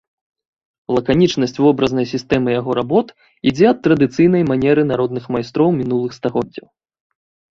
Лаканічнасць вобразнай сістэмы яго работ ідзе ад традыцыйнай манеры народных майстроў мінулых стагоддзяў.